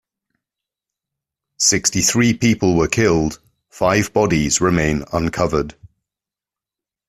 Sixty-three people were killed; five bodies remain un-recovered.